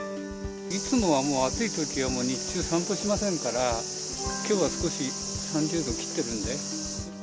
いつもはもう、暑いときは日中散歩しませんから、きょうは少し、３０度切ってるんで。